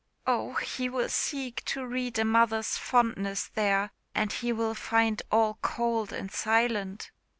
Oh, he will seek to read a mother's fondness there, and he will find all cold and silent."